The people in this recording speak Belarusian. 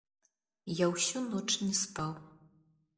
Я ўсю ноч не спаў.